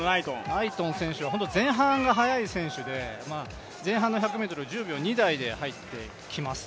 ナイトン選手は前半が速い選手で前半の１００ｍを１０秒２台で入ってきます。